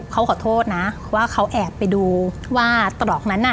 เขาขอโทษนะว่าเขาแอบไปดูว่าตรอกนั้นน่ะ